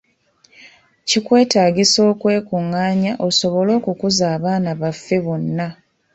Kikwetaagisa okwekung'aanya osobole okukuza abaana baffe bano.